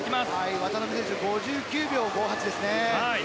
渡辺選手は５９秒５８ですね。